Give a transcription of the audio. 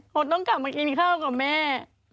เขาต้องกลับมากินข้าวกับแม่